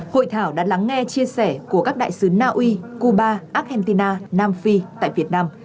hội thảo đã lắng nghe chia sẻ của các đại sứ naui cuba argentina nam phi tại việt nam